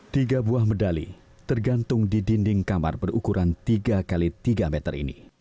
tiga buah medali tergantung di dinding kamar berukuran tiga x tiga meter ini